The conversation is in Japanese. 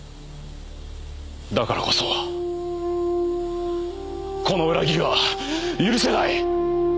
だからこそこの裏切りは許せない！